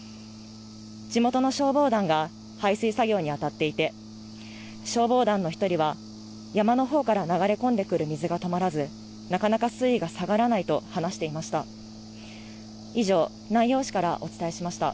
地元の消防団が排水作業にあたっていて消防団の１人は、山のほうから流れ込んでくる水が止まらず、なかなか水位が下がらないと話していました。